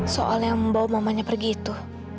soal yang membawa mamanya pergi itu